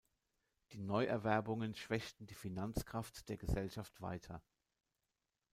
Die Neuerwerbungen schwächten die Finanzkraft der Gesellschaft weiter.